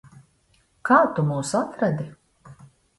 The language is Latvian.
Kā tu mūs atradi?